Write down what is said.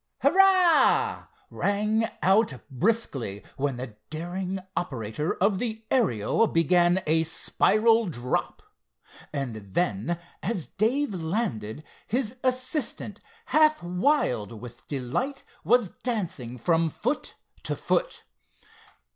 "Hurrah!" rang out briskly, when the daring operator of the Ariel began a spiral drop. And then as Dave landed, his assistant, half wild with delight, was dancing from foot to foot.